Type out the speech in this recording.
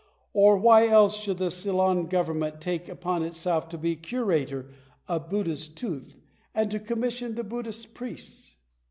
Or why else should the Ceylon government take upon itself to be curator of Buddha's tooth, and to commission the Buddhist priests *